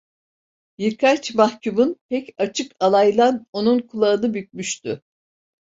Birkaç mahkumun pek açık alaylan onun kulağını bükmüştü.